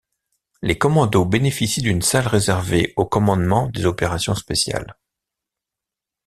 Les commandos bénéficient d'une salle réservée au commandement des opérations spéciales.